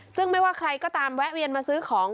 ซึ่งไม่ว่าใครก็ตามแวะเวียนมาซื้อของ